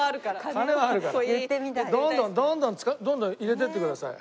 どんどんどんどんどんどん入れていってください。